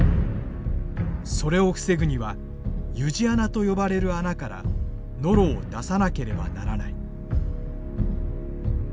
それを防ぐには湯路穴と呼ばれる穴からノロを出さなければならない。